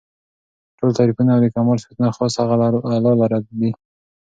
ټول تعريفونه او د کمال صفتونه خاص هغه الله لره دي